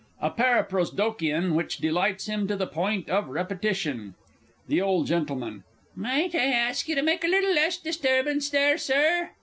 [A "paraprosdokian," which delights him to the point of repetition. THE O. G. Might I ask you to make a little less disturbance there, Sir?